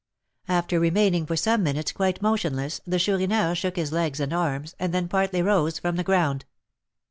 After remaining for some minutes quite motionless, the Chourineur shook his legs and arms, and then partly rose from the ground.